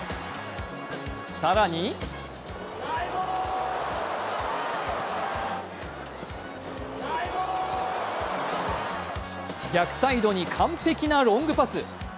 更に逆サイドに完璧なロングパス。